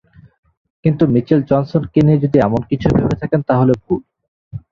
কিন্তু মিচেল জনসনকে নিয়ে যদি এমন কিছু ভেবে থাকেন তাহলে ভুল।